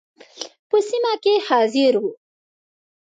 په سیمه کې حاضر وو.